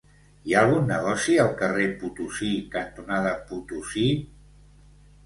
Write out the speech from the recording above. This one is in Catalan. Hi ha algun negoci al carrer Potosí cantonada Potosí?